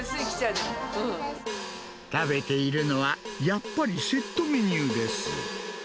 食べているのは、やっぱりセットメニューです。